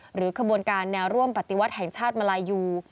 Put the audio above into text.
ขบวนการแนวร่วมปฏิวัติแห่งชาติมาลายู